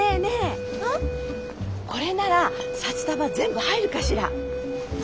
これなら札束全部入るかしら。